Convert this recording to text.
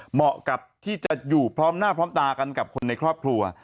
เหมาะกับที่จะอยู่พร้อมหน้าพร้อมตากันกับคนในครอบครัว